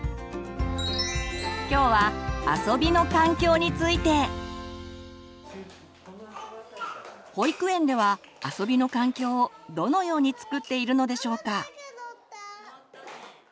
今日は保育園では遊びの環境をどのように作っているのでしょうか。